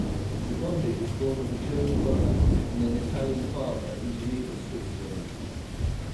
Regondi was born of a German mother and an Italian father in Geneva, Switzerland.